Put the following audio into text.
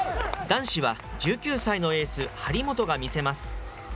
男子は１９歳のエース、張本が見せます。